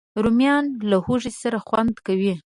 رومیان له هوږې سره خوند کوي